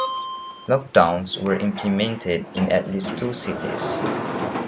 Lockdowns were implemented in at least two cities.